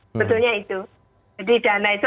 sebetulnya itu jadi dana itu